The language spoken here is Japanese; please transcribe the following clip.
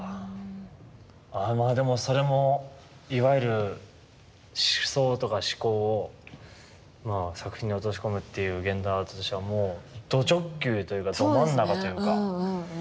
ああまあでもそれもいわゆる思想とか思考を作品に落とし込むっていう現代アートとしてはもうど直球というかど真ん中というか。